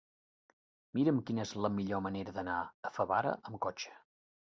Mira'm quina és la millor manera d'anar a Favara amb cotxe.